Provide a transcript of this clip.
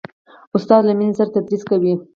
استاد له مینې سره تدریس کوي.